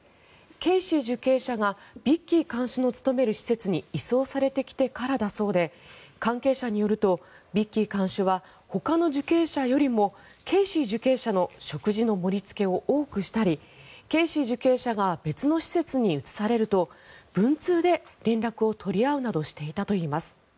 ケイシー受刑者がビッキー看守の勤める施設に移送されてきてからだそうで関係者によるとビッキー看守はほかの受刑者よりもケイシー受刑者の食事の盛りつけを多くしたりケイシー受刑者が別の施設に移されると文通で連絡を取り合うなどしていたといいます。